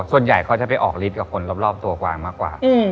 ส่วนใหญ่เขาจะไปออกฤทธิ์กับคนรอบตัวกวางมากกว่า